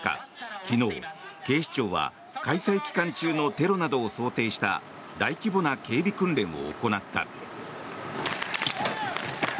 昨日、警視庁は開催期間中のテロなどを想定した大規模な警備訓練を行った。